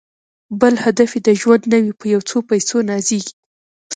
بل هدف یې د ژوند نه وي په یو څو پیسو نازیږي